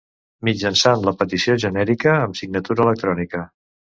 Mitjançant la petició genèrica amb signatura electrònica.